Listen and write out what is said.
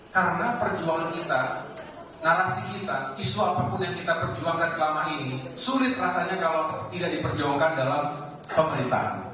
karena perjuangan kita narasi kita isu apapun yang kita perjuangkan selama ini sulit rasanya kalau tidak diperjuangkan dalam pemerintahan